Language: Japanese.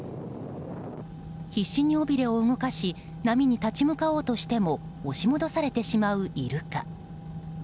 必死に尾びれを動かし波に立ち向かおうとしても押し戻されてしまうイルカ。